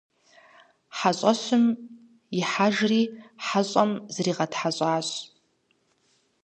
ХьэщӀэщым ихьэжри хьэщӀэм зыригъэтхьэщӀащ.